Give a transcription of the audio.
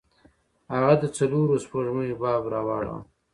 هغه د څلورو سپوږمیو باب راواړوه.